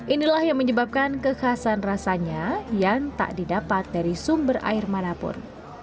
inilah yang menyebabkan kekhasan rasanya yang tak didapat dari sumber air manapun